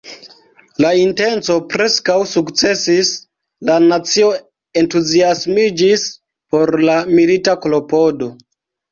La intenco preskaŭ sukcesis: la nacio entuziasmiĝis por la milita klopodo.